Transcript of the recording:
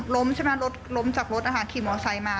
ล้มใช่ไหมล้มจากรถขี่มอเตอร์ไซค์มา